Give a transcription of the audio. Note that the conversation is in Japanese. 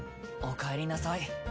おかえりなさい。